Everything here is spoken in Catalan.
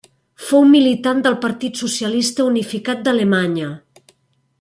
Fou militant del Partit Socialista Unificat d'Alemanya.